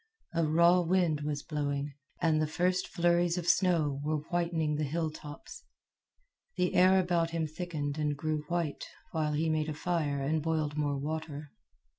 A raw wind was blowing, and the first flurries of snow were whitening the hilltops. The air about him thickened and grew white while he made a fire and boiled more water.